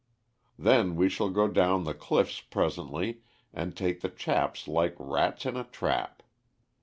Then we shall go down the cliffs presently and take the chaps like rats in a trap.